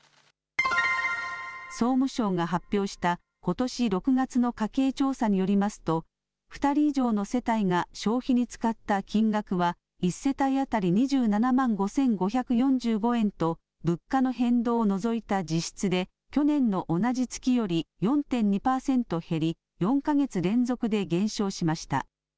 総務省が発表した、ことし６月の家計調査によりますと２人以上の世帯が消費に使った金額は１世帯当たり２７万５５４５円と物価の変動を除いた実質で去年の同じ月より４．２％減り４か月連続で減少しました。